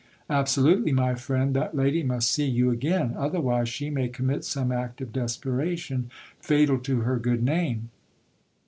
Absolutely, my friend, that lady must see you again ; otherwise she may commit some act of desperation fatal to her good name.